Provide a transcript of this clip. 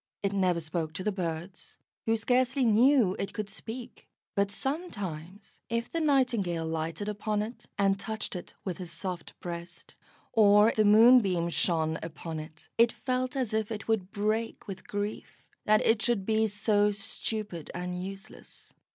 It never spoke to the birds, who scarcely knew it could speak; but sometimes, if the Nightingale lighted upon it, and touched it with his soft breast, or the Moonbeam shone upon it, it felt as if it would break with grief that it should be so stupid and useless.